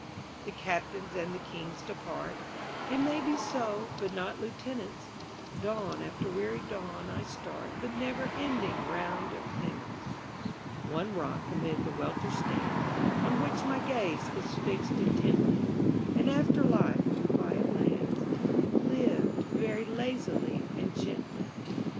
_ The Captains and the Kings depart It may be so, but not lieutenants; Dawn after weary dawn I start The never ending round of penance; One rock amid the welter stands On which my gaze is fixed intently An after life in quiet lands Lived very lazily and gently.